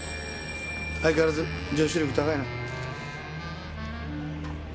相変わらず女子力高いな。